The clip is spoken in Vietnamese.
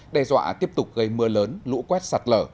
đe dọa tiếp tục gây mưa lớn lũ quét sạt lở